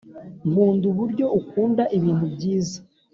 nkunda uburyo ukunda ibintu byiza